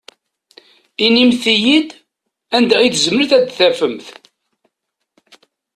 Inimt-iyi-id, anda i tzemremt ad t-tafemt?